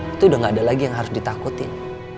itu udah gak ada lagi yang harus ditakutin